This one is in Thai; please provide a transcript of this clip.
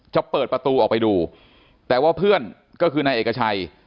จะเปิดประตูออกไปดูแต่ว่าเพื่อนก็คือนายเอกชัย